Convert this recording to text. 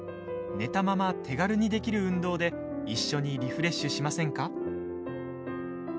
寝たまま手軽にできる運動で一緒にリフレッシュしませんか？